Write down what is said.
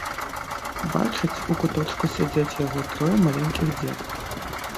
бачыць, у куточку сядзяць яго трое маленькiх дзетак...